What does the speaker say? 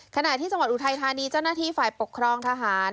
ขณะที่จังหวัดอุทัยธานีเจ้าหน้าที่ฝ่ายปกครองทหาร